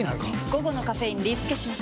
午後のカフェインリスケします！